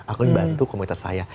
aku ingin membantu komunitas saya